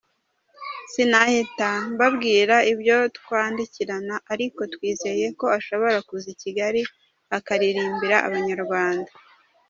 Sinahita mbabwira ibyo twandikirana ariko twizeye ko ashobora kuza i Kigali akaririmbira Abanyarwanda.